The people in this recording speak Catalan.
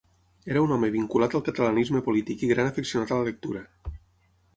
Era un home vinculat al catalanisme polític i gran afeccionat a la lectura.